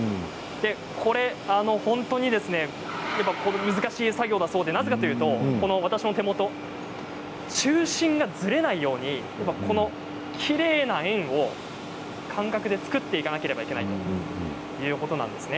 これは難しい作業だそうでなぜかというと中心がずれないようにきれいな円を感覚で作っていかなければいけないということなんですね。